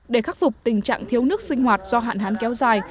để khắc phục tình trạng thiếu nước sinh hoạt do hạn hán kéo dài